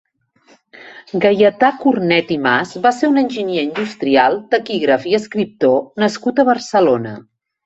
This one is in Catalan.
Gaietà Cornet i Mas va ser un enginyer industrial, taquígraf i escriptor nascut a Barcelona.